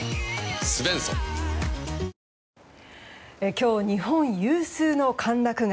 今日、日本有数の歓楽街